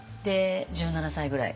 １７歳ぐらい。